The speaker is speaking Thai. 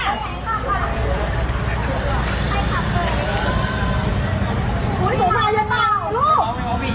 อย่างระเบิด